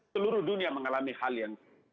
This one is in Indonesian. seluruh dunia mengalami hal yang